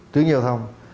tuyến giao thông